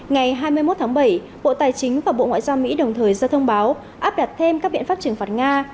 ngày hai mươi một tháng bảy bộ tài chính và bộ ngoại giao mỹ đồng thời ra thông báo áp đặt thêm các biện pháp trừng phạt nga